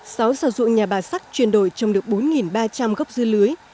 sáu sản dụng nhà bà sắc chuyển đổi trong được bốn ba trăm linh gốc dư lưới